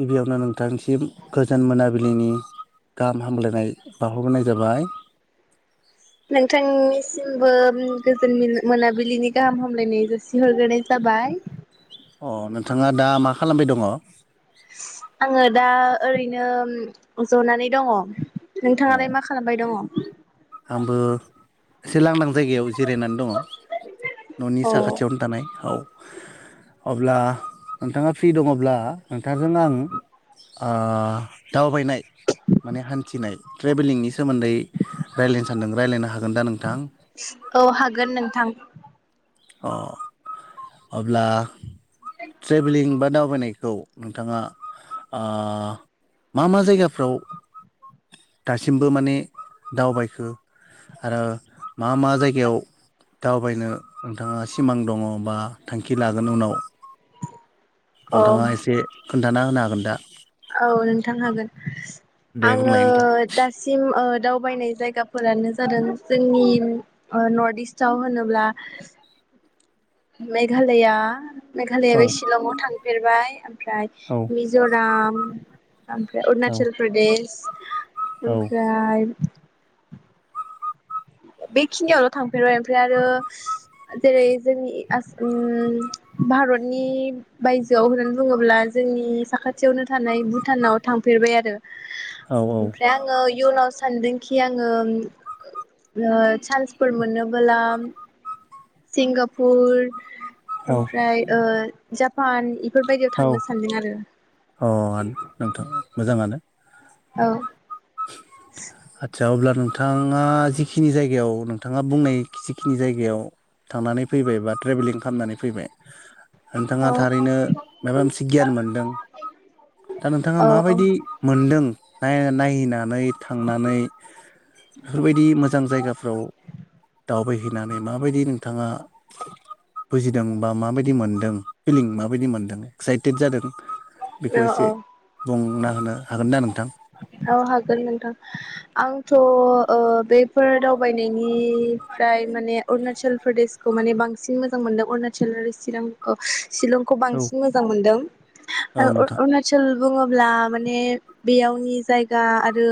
गिबियावनो नोंथांसिम गोजोन मोनाबिलिनि गाहाम हामलायनाय बावहरग्रोनाय जाबाय नोंथांनिसिमबो गोजोन मोनाबिलिनि गाहाम हामलायनाय जासिहरग्रोनाय जाबाय अ नोंथाङा दा मा खालामबाय दङ [unintelligible] आङो दा ओरैनो ज'नानै दङ। नोंथाङालाय मा खालामबाय दङ? आंबो एसे लांदां जायगायाव जिरायनानै दङ। न'नि औ साखाथियावनो थानाय औ। अब्ला नोंथाङा फ्रि दङब्ला नोंथांजों आं दावबायनाय माने हान्थिनाय। ट्रेभेलिंनि सोमोन्दै रायज्लायनो सानदों रायलायनो हागो औ हागोन नोंथां। अ अब्ला ट्रभेलिं बा दावबायनाय खौ नोंथाङा मा मा जायगाफ्राव दासिमबो माने दावबायखो आरो मा मा जायगायाव दावबायनो नोंथाङा सिमां दङ बा थांखि लागोन उनाव? औ नोंथाङा एसे खोन्थाना होनो हागोन दा? औ नोंथां हागोन। ए दे [inaudible] आङो बुंलाय नोंथां दासिम ओ दावबायनाय जायगाफोरानो जादों जोंनि नर्थ इस्टव होनोब्ला मेघालया। मेघालया औ बे शिलंआव थांफेरबाय। ओमफ्राय औ मिज'राम। ओमफ्राय औ अरुणाचल प्रदेश। औ ओमफ्राय बेखिनियावल' थांफेरबाय ओमफ्राय आरो जेरै जोंनि भारतनि बायजोआव होननानै बुङोब्ला जोंनि साखाथियावनो थानाय भुटानाव थांफेरबाय आरो। औ ओमफ्राय आङो इयुनाव सानदोंखि आङो चान्सफोर मोनोबोला सिंगापुर। औ ओमफ्राय ओ जापान। इफोरबायदियाव औ थांनो सानदों आरो औ नोंथां मोजाङानो। औ। आतसा अब्ला नोंथाङा जिखिनि जायगायाव नोंथाङा बुंनाय जिखिनि जायगायाव थांनानै फैबाय बा ट्रेभेलिं खालामनानै फैबाय नोंथाङा औ थारैनो माबा मोनसे गियान मोनदों दा नोंथाङा औ माबायदि मोनदों? नायो नायैना नानै थांनानै [unintelligible] फोरबायदि मोजां जायगाफ्राव दावबायहै नानै माबायदि नोंथांङा बुजिदों बा माबायदि मोनदों फिलिं माबायदि मोनदों एक्साइटेड जादों बेखौ औ एसे औ बुंना होनो हागोन ना नोंथां? औ हागोन नोंथां आंथ' ओ बेफोर दावबायनायनिफ्राय माने अरुणाचल प्रदेशखौ माने बांसिन मोजां मोनदों अरुणाचल आरो चिरां [unintelligible] शिलंखौ औ बांसिन मोजां मोनदों औ आ ओ नोंथां अरुणाचल बुंङोब्ला माने बेयावनि जायगा आरो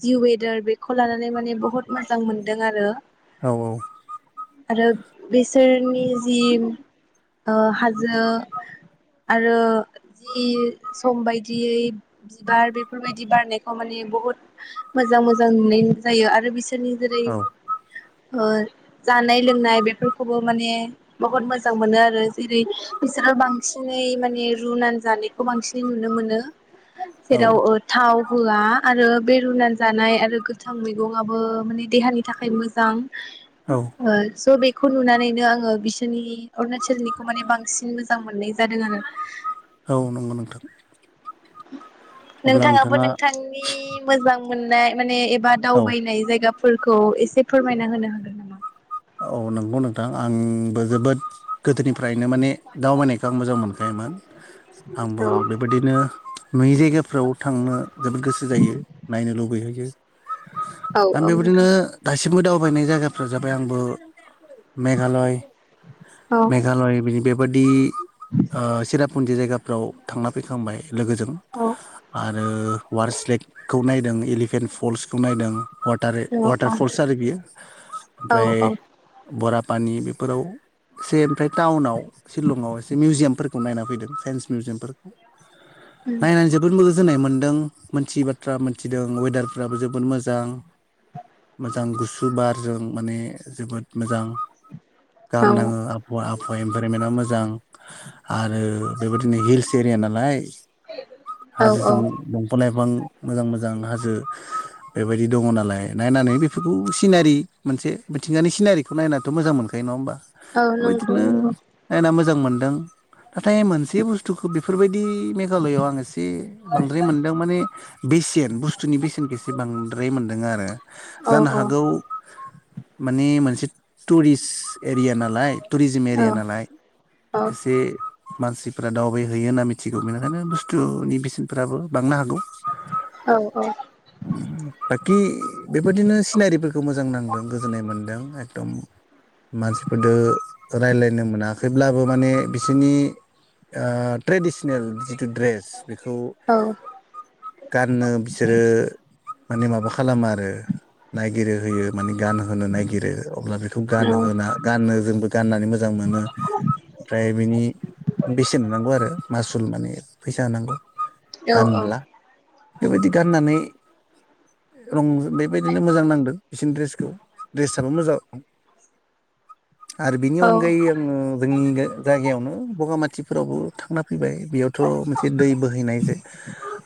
जि वेदार बेखौ लानानै माने बहुत मोजां मोनदों आरो औ औ आरो बिसोरनि जि ओ हाजो आरो जि सम बायदियै बिबार बे फोरबायदि बारनायखौ माने बुहुत मोजां मोजां नुनाय जायो आरो बिस सोरनि जेरै ओ जानाय लोंनाय बेफोरखौबो माने बहुद मोजां मोनो आरो जेरै बिसोरो बांसिनै माने रुनानै जानायखौ बांसिनै नुनो मोनो। औ जेराव ओ थाव होआ आरो बे रुनानै जानाय आरो गोथां मैगंआबो माने देहानि थाखाय मोजां। औ ओ-ओ स' बे खौ नुनानैनो आंङो बिसोरनि अरुणाचलनिखौ माने बांसिन मोजां मोननाय जादों आरो औ नंगौ नोंथां [inaudible] अब्ला नोंथांङाबो नोंथाङा नोंथांनि मोजां मोननाय माने एब बा औ दावबायनाय जायगाब फोरखौ एसे फोरमायना होनो हागोन नामा? औ नंगौ नोंथां आंबो जोबोद गोदोनिफ्रायनो माने दावबायनायखौ आं मोजां मोनखायोमोन औ आंबो बेबायदिनो नुयै जायगाफ्राव थांनो जोबोद गोसो जायो नायनो लुबैहैयो औ दा औ नोंथां बेबादिनो दासिमबो दावबायनाय जायगाफ्रा जाबाय आंबो मेघालय औ मेघालय बिनि बेब बोदि ओ सिराफुन्जि जायगाब फोराव थांना फैखांबाय। लोगोजों औ आरो वास लेकखौ नायदों एलिफेन्ट फल्सखौ नायदों। वाटार वाटार फल्स आरो बियो औ ओमफ्राय बरापानि बेफोराव एसे ओमफ्राय टाउनाव शिलंआव एसे मिउजियामफोरखौ नायना फैदों साइन्स मिउजियामफोरखौ। नायनानै जोबोद मोजोनाय मोन दों मोनथियै बाथ्रा मोनथिदों वेदारफ्राबो जोबोद मोजां मोजां गुसु बारजों माने जोबोद मोजां गाहाम नाङो आबहावा आब फयेमफोर इनभाइरमेन्टआ मोजां आरो बेबायदिनो हिल्स एरिया नालाय औ औ हाजोजों दंफां लाइफां मोजां मोजां हाजो बेबायदि दङ नालाय नायनानै बेफोरखौ सिनारि मोनसे मिथिंगानि सिनारि नायनाथ मोजां मोनखायो नङा होनबा। औ नंगौ बेबायदिनो नंगौ नायना मो मोजां मोनदों नाथाय मोनसे बुस्थुखौ बेफोरबायदि मेघालयआव आं एसे बांद्राय मोनदों माने बेसेन बुस्थुनि बेसेनखौ एसे बां द्राय मोन्दों आरो। औ जानो हागौ माने मोनसे टुरिस्ट ए रिया नालाय थुरिजिम औ एरिया नालाय औ एसे मानसिफ्रा दाव बैहोयो होनना मिथिगौ बेनिखायनो बुस्थुनि बेसेनफोराबो बांनो हा गौ औ औ बाकि बेबायदिनो सिनारिफोरखौ मोजां नांदों गोजोननाय मोनदों एकदम मानसिफोरदो रायज्लायनो मोना होमब्लाबो माने बिसोरनि ओ ट्रेडिस नेल जिथु ड्रेस बेखौ औ औ गाननो बिसोरो माने माबा खालामो आरो नायगिरो होयो माने गानहोनो नायगिरो। अब्ला बे खौ गान नंगौ होना गाननो जोंबो गाननानै मोजां मोनो ओमफ्राय बिनि बेसेन होनांगौ आरो मासुल माने फैसा होनांगौ। गानब्ला बेबायदि गाननानै रं बेबायदिनो मोजां नांदों बिसिनि ड्रेसखौ ड्रेसाबो मोजा [inaudible] आरो बेनि अनगायै आङो जोंनि जायगायावनो बगामाथिफोरावबो थांनाफ फैबाय बेयावथ' मोनसे दै बोहैनाय जे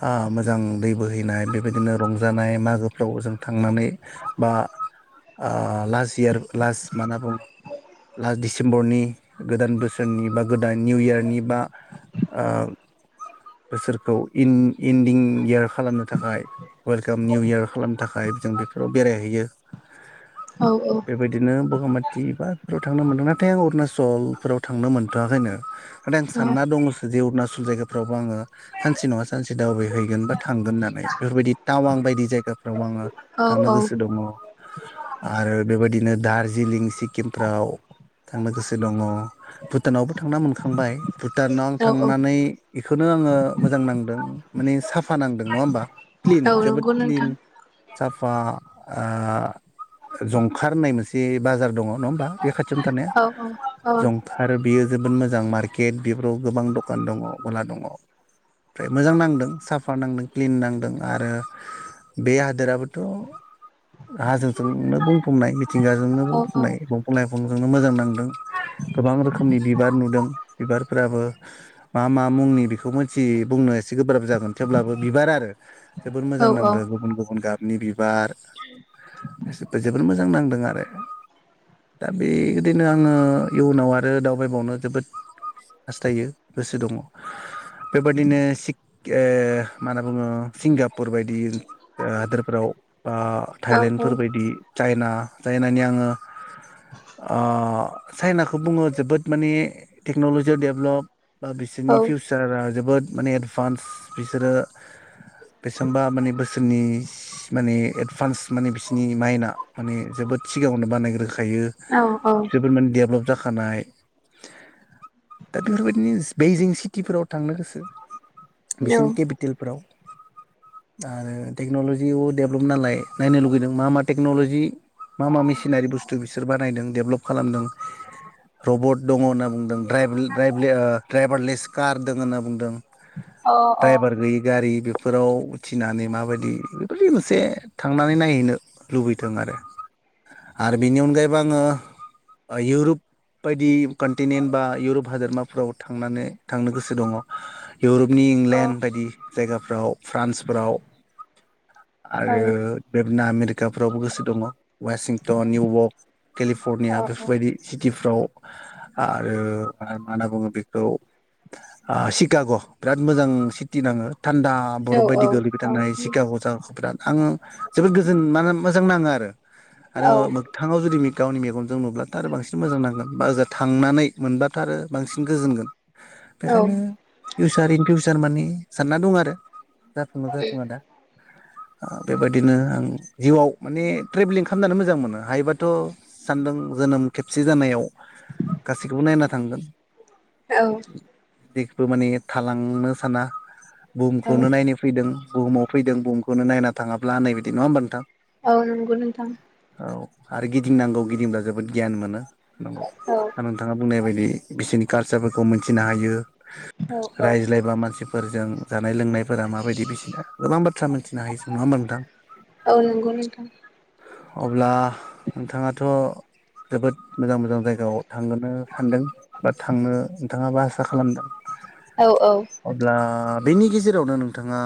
ओ मोजां दै। बोहैनाय बेबायदिनो रंजानाय मागोफ्राव जों थांनानै बा ओ लाजि इयार लास्ट मा होनना बुङो लास्ट डिसेम्बरनि गोदान बोसोरनि बा गोदान निउ इयारनि बा ओ बोसोरखौ इन इन्दिं इयार खालामनो थाखाय वेलकाम निउ इयार खालामनो थाखाय जों बे बेव बेरायहैयो। बेबायदिनो बगामाथि बा बेफोराव थांनो मोनदोंना? नाथाय आं अरुणाचलफोराव थांनो मोनथ'आखैनो। माने आं सानना दङसो जे अरुनाचल गुसु जायगाफ्रावबो आङो सानसे नङा सानसे दावबायहैगोन बा थांगोन होननानै बेफोरबायदि टावां बायदि जायगाफ्राव आङो थांनो गोसो दङ आरो बेबायदिनो दार्जिलिं सिक्किमफ्राव थांनो गोसो दङ भुटानावबो थांना मोनखांबाय। भुटानाव थांनानै इखो खौनो आङो मोजां नांदों माने साफा नांदों नङा ओमबा? क्लिन जोबोद नोंथां क्लिन साफ बा ओ जं खार होननाय मोनसे बाजार दङ नङा होमबा बे खाथियावनो थानाया औ औ जंफार बियो जोबोद मोज मोजां मारकेट बेफोराव गोबां दखान दङ गला दङ ओमफ्राय मोजां नांदों साफा नांदों क्लिन नांदों आरो बे हादोराबोथ' हाजोजोंनो बुं फमनाय। थिंगाजोंनो औ बुंफबनाय दंफां लाय [unintelligible] मोजां नांदों गोबां रोखोमनि बिबार नुदों बिबारफोराबो मा मा मुंनि बेखौ मिथियै बुंनो एसे गोब्राब जागोन थेवब्लाबो बिबार आरो। जोबोर मोजां नांदों गुबुन गुबुन गाब नि बिबार एसे जोबोद मोजां नांदों आरो दा बे गोदैनो आङो इयुनाव आरो दावबायबावनो जोबोद हास्थायो गोसो दङ बेबायदिनो सिक ओ मा होनना बुङो सिंगापुर बायदि ओ हादोरफोराव। बा औ औ थाइलेण्डफोरबायदि। चाइना चायनानि आङो ओ चाइनाखौ बुङो जोबोद माने टेक्न'लजियाव डेभलप बा बिसोरनि औ फिउचारा जोबोद माने एडभान्स बिसोरो बेसांबा माने बोसोरनि माने एडभान्स माने बिसोरनि माइनआ। माने जोबोद सिगाङावनो बानायग्रो खायो औ अ औ जोबोद माने देभलप जाखानाय दा बेफोरबायदिनो बेइजिं सिटिफोराव थांनो गोसो। बिसिनि केपिटेलफोराव। आरो टेक्न'लजियाव डेभलप नालाय नायनो लुगैदों मा मा टेक्नलजि। दि मा मा मेसिनारि बुस्थु बिसोर बानायदों डेभलप खालामदों रबट दङ' होनना बुंदों द्रायभ ड्रायभलियार ड्राइभारलेस कार दों होनना बुंदों। औ द्रायभार गैयि गारि बे फोराव उथिनानै माबायदि बेबायदि मोनसे थांनानै नायहैनो लुबै दों आरो आरो बेनि अनगायैबो आङो इउरुप बायदि कन्टिनेन्ट बा इउरुप हादोरमाफोराव थांनानै थांनो गोसो दङ'। इउरुप नि इंलेण्ड बायदि जायगाफ्राव फ्रान्सफोराव आरो बे नामिरिक फोरावबो गोसो दङ' वासिंटन निउयर्क केलिफर्निया बेफोरबायदि सिटिफ्राव आरो मा होनना बुङो बेखौ आ सिकाग' बिराद मोजां सिटि नाङो। थान्दा बरफ बायदि गोलैबाय औ थानाय सिकाग' जायगाखौ बिराद आङो जोबोद गोजोन मा मोजां नाङो आरो आरो औ मोगथाङाव जुदि गावनि मेगनजों नुब्लाथ' आरो बांसिन मोजां नांगोन बा ओजा थांनानै मोनब्लाथ' आरो बांसिन गोजोनगोन। बेखायनो फिउसार इन फिउसार तारमाने सानना दं आरो जाफुङो जाफुङा दा ओ बेबायदिनो आं जिउआव माने ट्रेभेलिं खामनानै मोजां मोनो हायोबाथ' सान्दों जोनोम खेबसे जानायाव गासैखौबो नायना थांगोन। औ। जेबो माने थालांनो साना। बुहुमखौनो नायनो फैदों। बुहुमाव फैदों बुहुमखौनो नायना थाङाब्ला होननाय बायदि। नङा होमबा नोंथां? औ नंगौ नोंथां। औ आरो गिदिंनांगौ गिदिंब्ला जोबोद गियान मोनो। नोंगौ। औ दा नोंथाङा बुंनाय बायदि बिसोरनि कालसारफोरखौ मोनथिनो हायो। औ औ रायज्लायबा मानसिफोरजों जानाय लोंनायफोरा माबायदि बिसिना गोबां बाथ्रा मिथिनो हायो। नङा होमबा नोंथां? औ नंगौ नोंथां। अब्ला नोंथाङाथ' जोबोद मोजां मोजां जायगायाव थांगोनो सानदों बा थांनो नोंथाङाबो आसा खालामदों। औ औ अब्ला बेनि गेजेरावनो नोंथाङा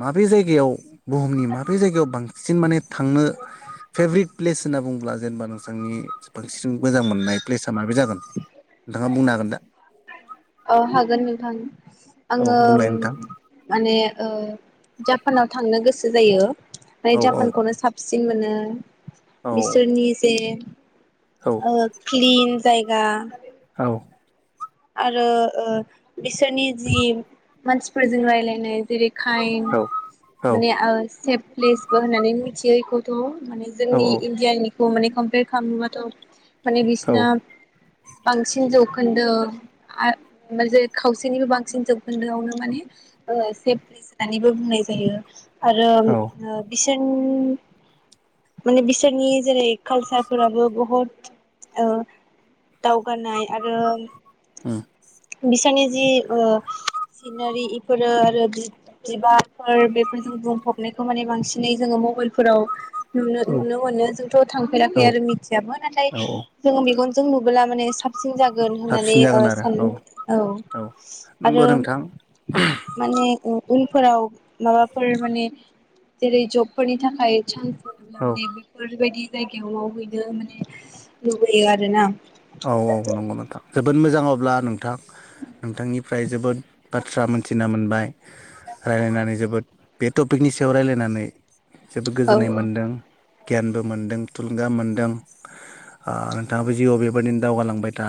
माबे जायगायाव बुहुमनि माबे जायगायाव बांसिन माने थांनो फेभरिट प्लेस होनना बुंङोब्ला जेनेबा नोंथांनि बांसिन मोजां मोननाय प्लेस माबे जागोन नोंथाङा बुंनो हागोन दा? अ हागोन नोंथां। औ आङो बुंलाय नोंथां माने ओ जापानाव थांनो गोसो गोसो जायो औ फ्राय औ जापानखौनो साबसिन औ [inaudible] बिसोरनि जे औ ओ क्लिन जायगा औ औ आरो ओ बिसोरनि जि मानसिफोरजों रायलायनाय जेरै काइन औ माने ओ सेफ प्लेसबो होननानै मिथियो बेखौथ' माने जोंनि औ इण्डियानि माने कमपयार खालाम माथ' माने बिसोना बांसिन जौखोन्दो जे खावसेनिबो बांसिन जौखोनदोआवनो माने सेफस होननानैबो बुंनाय जायो आरो ओ औ बिस बिसोर माने बिसोरनि जेरै कालसारफोराबो बहुत ओ दावगानाय आरो [inaudible] बिसोरनि जि ओ सिनारि इफोरो आरो बिबारफोर बेफोरजों बुंफबनायखौ माने बांसिनै जोङो मबाइलफोराव नुनो औ नुनो मोनो जोंथ' औ थांफेराखै आरो मिथियाबो नाथाय औ औ जों मेगनजों नुबोला माने सिन जागोन होननानै साबसिन ओ जागोन आरो औ सानलुं औ आरो नंगौ नोंथां माने उनफोराव माबाफोर माने जेरै जबफोरनि थाखाय चान्स अब्ला औ माने बेफोरबायदि जायगायाव मावहैनो माने लुबैयो आरोना औ औ नंगौ नोंथां जोबोद मोजां अब्ला नोंथां नोंथांनिफ्राय जोबोद बाथ्रा मोनथिना मोनबाय रायलायनानै जोबोद बे टपिकनि सायाव रायलायनानै जोबोद औ गोजोननाय मोनदों गियानबो मोनदों थुलुंगा मोनदों ओ नोंथाङाबो जिउ बे बेबायदिनो दावगालांबाय था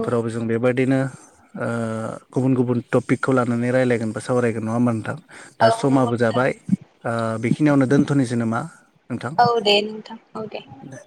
औ जों बेबायदिनो ओ गुबुन गुबुन टपिकखौ लानानै रायलायगोन बा सावरायगोन नङा होमबा नोंथां दा औ नंगौ समाबो नोंथां जाबाय ओ बेखिनियावनो दोनथ'नोसै नामा नोंथां औ दे नोंथां औ दे